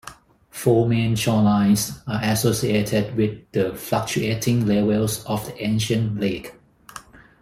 Four main shorelines are associated with the fluctuating levels of the ancient lake.